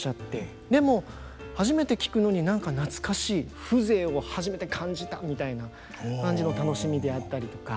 でも「初めて聴くのに何か懐かしい」「風情を初めて感じた」みたいな感じの楽しみであったりとか。